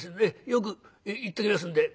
よく言っときますんで。